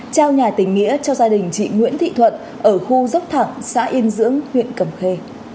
trao nhà tình nghĩa cho gia đình chị nguyễn thị thuận ở khu dốc thẳng xã yên dưỡng huyện cầm khê